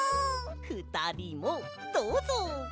ふたりもどうぞ！